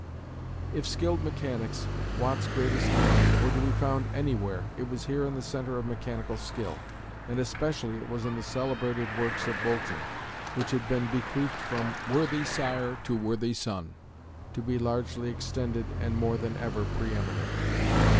If skilled mechanics, Watt's greatest need, were to be found anywhere, it was here in the centre of mechanical skill, and especially was it in the celebrated works of Boulton, which had been bequeathed from worthy sire to worthy son, to be largely extended and more than ever preëminent.